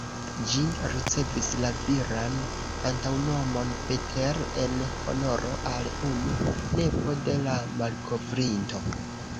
Ĝi ricevis la viran antaŭnomon ""Peter"", en honoro al unu nepo de la malkovrinto.